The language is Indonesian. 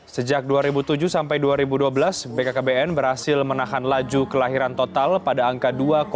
sejak dua ribu tujuh sampai dua ribu dua belas bkkbn berhasil menahan laju kelahiran total pada angka dua tujuh